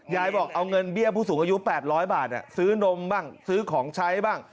ยายบอกเอาเงินเบี้ยผู้สูงอายุ๘๐๐บาทซื้อนมบ้างซื้อของใช้บ้าง